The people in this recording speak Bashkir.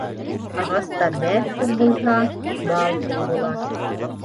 Ағаста бәҫ күп булһа, бал күп була.